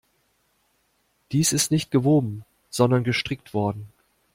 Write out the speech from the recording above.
Dies ist nicht gewoben, sondern gestrickt worden.